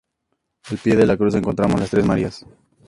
Al pie de la cruz encontramos las tres Marías.